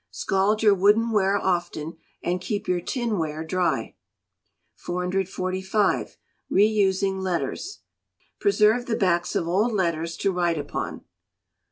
Scald your wooden ware often, and keep your tin ware dry. 445. Re using Letters. Preserve the backs of old letters to write upon.